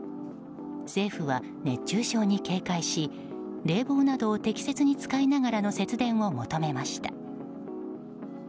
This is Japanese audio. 政府は熱中症に警戒し冷房などを適切に使いながらの節電を求めました。